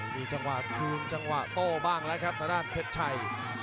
มีจังหวะคืนจังหวะโต้บ้างแล้วครับทางด้านเพชรชัย